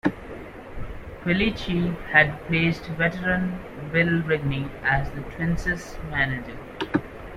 Quilici had replaced veteran Bill Rigney as the Twins' manager.